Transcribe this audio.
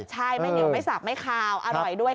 ใช่ไม่เหนียวไม่สับไม่คาวอร่อยด้วย